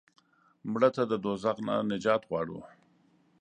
مړه ته د دوزخ نه نجات غواړو